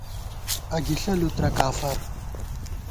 اگِݪہ لُوترہ کافَر